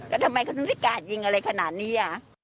แล้วทำไมเขาถึงได้กาดยิงอะไรขนาดนี้